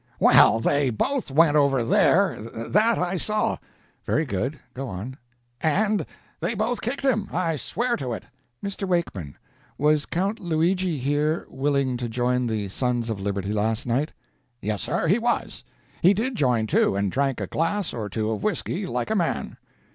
"Well, they both went over there that I saw." "Very good. Go on." "And they both kicked him I swear to it." "Mr. Wakeman, was Count Luigi, here, willing to join the Sons of Liberty last night?" "Yes, sir, he was. He did join, too, and drank a glass or two of whisky, like a man."